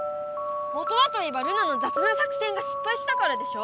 もとはといえばルナのざつな作戦がしっぱいしたからでしょ！